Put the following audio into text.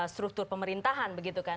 struktur pemerintahan begitu kan